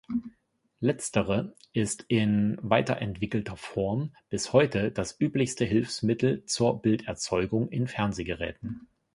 Letztere ist in weiterentwickelter Form bis heute das üblichste Hilfsmittel zur Bilderzeugung in Fernsehgeräten.